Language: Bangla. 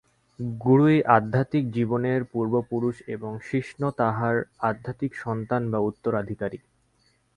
গুরুই আধ্যাত্মিক জীবনের পূর্বপুরুষ এবং শিষ্য তাঁহার আধ্যাত্মিক সন্তান বা উত্তরাধিকারী।